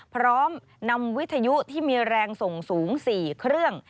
พร้อมนำวิทยุที่มีแรงส่งสูง๔เครื่อง